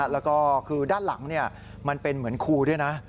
แล้วก็คือด้านหลังมันเป็นเหมือนครูด้วยนะ